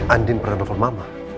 andin pernah telepon mama